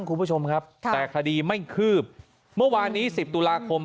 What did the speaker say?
คุณผู้ชมครับแต่คดีไม่คืบเมื่อวานนี้สิบตุลาคม